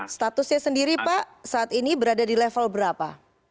statusnya sendiri pak saat ini berada di level berapa